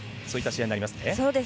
そういった試合になりますね。